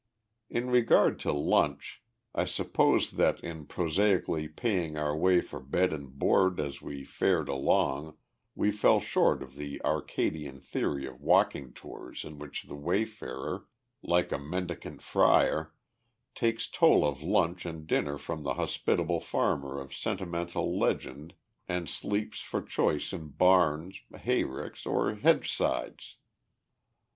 In regard to lunch, I suppose that in prosaically paying our way for bed and board as we fared along we fell short of the Arcadian theory of walking tours in which the wayfarer, like a mendicant friar, takes toll of lunch and dinner from the hospitable farmer of sentimental legend, and sleeps for choice in barns, hayricks or hedgesides.